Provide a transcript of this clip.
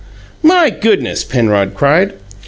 "My goodness," Penrod cried.